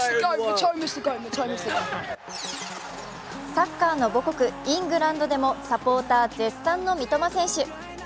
サッカーの母国、イングランドでもサポーター絶賛の三笘選手。